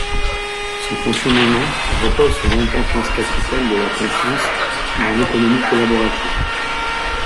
Son fonctionnement repose sur l'importance capitale de la confiance dans l'économie collaborative.